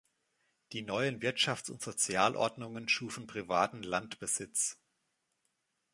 Die neuen Wirtschafts- und Sozialordnungen schufen privaten Landbesitz.